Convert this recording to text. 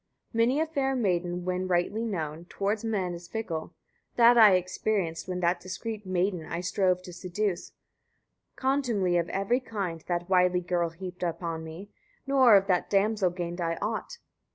102. Many a fair maiden, when rightly known, towards men is fickle: that I experienced, when that discreet maiden I strove to seduce: contumely of every kind that wily girl heaped upon me; nor of that damsel gained I aught.